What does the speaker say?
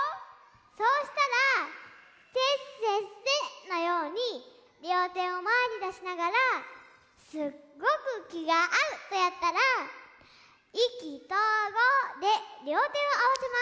そうしたら「せっせっせ」のようにりょうてをまえにだしながら「すっごく気があう」とやったら「意気投合」でりょうてをあわせます。